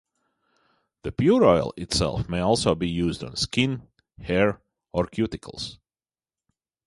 The pure oil itself may also be used on skin, hair, or cuticles.